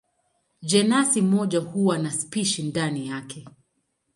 Jenasi moja huwa na spishi ndani yake.